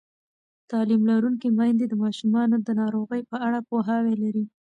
تعلیم لرونکې میندې د ماشومانو د ناروغۍ په اړه پوهاوی لري.